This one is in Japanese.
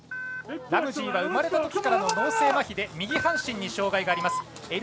ラムジーは生まれたときからの脳性まひで右半身にまひがあります。